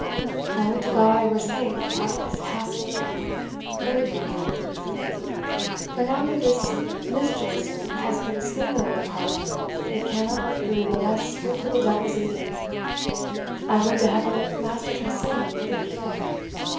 "I would to God I were safe out of this Castle again!" prayed Wayland internally; "for now that this mischievous imp has put his finger in the pie, it cannot but prove a mess fit for the devil's eating. I would to Heaven Master Tressilian would appear!"